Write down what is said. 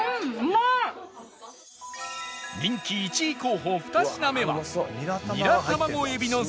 人気１位候補２品目は